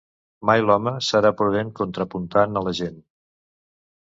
Mai l'home serà prudent contrapuntant a la gent.